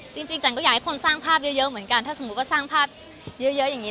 จริงจันก็อยากให้คนสร้างภาพเยอะเหมือนกันถ้าสมมุติว่าสร้างภาพเยอะอย่างนี้